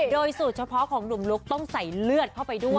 โดยสูตรเฉพาะของหนุ่มลุกต้องใส่เลือดเข้าไปด้วย